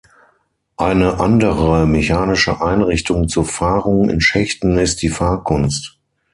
Eine andere mechanische Einrichtung zur Fahrung in Schächten ist die Fahrkunst.